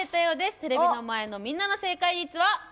テレビの前のみんなの正解率は。